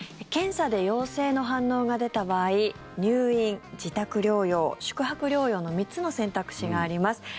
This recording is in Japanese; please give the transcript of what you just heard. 検査で陽性の反応が出た場合入院、自宅療養、宿泊療養の３つの選択肢があります。